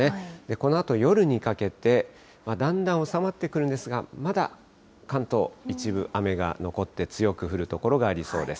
このあと夜にかけて、だんだん収まってくるんですが、まだ関東、一部雨が残って、強く降る所がありそうです。